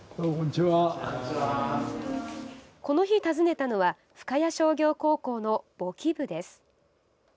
この日、訪ねたのは深谷商業高校の簿記部です。